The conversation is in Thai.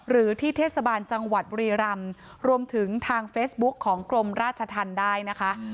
หรือที่เทศบาลจังหวัดบุรีรำรวมถึงทางเฟซบุ๊คของกรมราชธรรมได้นะคะ